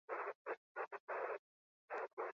Oso pozik nago disko horrek egin duen bideaz.